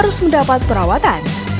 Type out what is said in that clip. dan juga mendapat perawatan